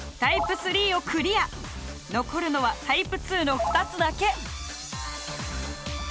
残るのはタイプ２の２つだけ。